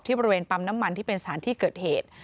บริเวณปั๊มน้ำมันที่เป็นสถานที่เกิดเหตุ